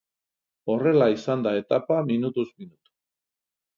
Horrela izan da etapa minutuz minutu.